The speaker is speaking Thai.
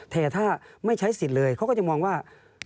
แต่ถ้าไม่ใช้สิทธิ์เลยเขาก็จะมองว่า